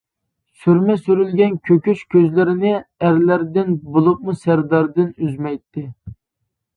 سۈرمە سۈرۈلگەن كۆكۈچ كۆزلىرىنى ئەرلەردىن بولۇپمۇ سەرداردىن ئۈزمەيتتى.